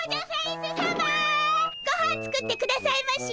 ごはん作ってくださいまし！